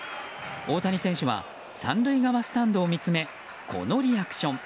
大谷選手は３塁側スタンドを見つめこのリアクション。